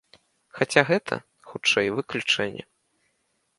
Хаця гэта, хутчэй, выключэнне.